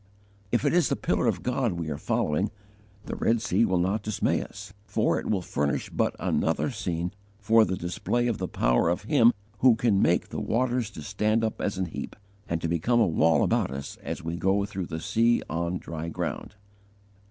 If it is the Pillar of God we are following, the Red Sea will not dismay us, for it will furnish but another scene for the display of the power of Him who can make the waters to stand up as an heap, and to become a wall about us as we go through the sea on dry ground.